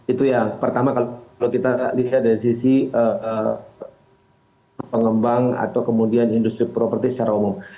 itu ya pertama kalau kita lihat dari sisi pengembang atau kemudian industri properti secara umum